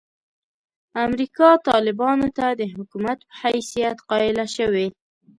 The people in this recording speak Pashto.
امریکا طالبانو ته د حکومت په حیثیت قایله شوې.